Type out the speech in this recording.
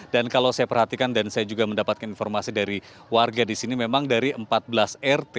dan kalau saya perhatikan dan saya juga mendapatkan informasi dari warga di sini memang dari empat belas rt